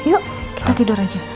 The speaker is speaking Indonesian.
yuk kita tidur aja